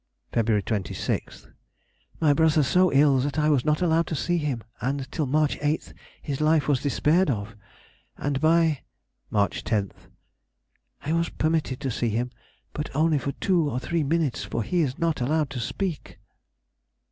Feb. 26th.—My brother so ill that I was not allowed to see him, and till March 8 his life was despaired of, and by Mar. 10th.—I was permitted to see him, but only for two or three minutes, for he is not allowed to speak.